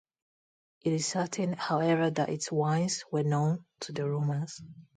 It is certain however that its wines were known to the Romans.